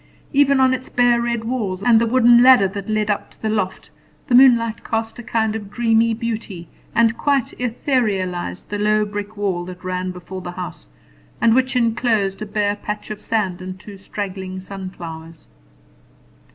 Even on its bare red walls, and the wooden ladder that led up to the loft, the moonlight cast a kind of dreamy beauty, and quite etherealized the low brick wall that ran before the house, and which inclosed a bare patch of sand and two straggling sunflowers.